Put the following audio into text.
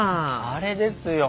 あれですよ。